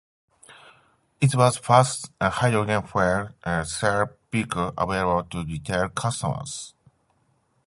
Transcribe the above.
It was the first hydrogen fuel cell vehicle available to retail customers.